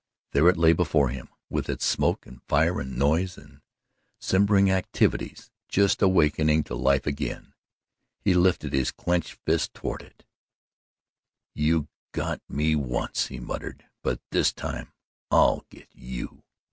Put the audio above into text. There it lay before him with its smoke and fire and noise and slumbering activities just awakening to life again. He lifted his clenched fist toward it: "You got ME once," he muttered, "but this time I'll get YOU."